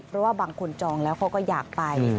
เพราะว่าบางคนจองแล้วเขาก็อยากไป